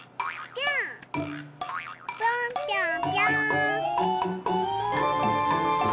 ぴょんぴょんぴょん。